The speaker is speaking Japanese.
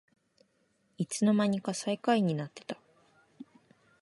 いつのまにか最下位になってた